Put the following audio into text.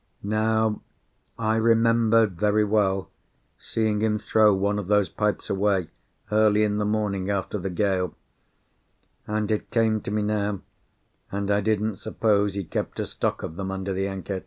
Now, I remembered very well seeing him throw one of those pipes away, early in the morning after the gale; and it came to me now, and I didn't suppose he kept a stock of them under the anchor.